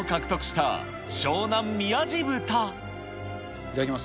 いただきます。